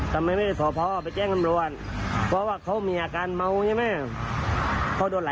ทำไมไม่ได้ขอพ่อไปแจ้งตำรวจ